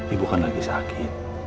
ibu kan lagi sakit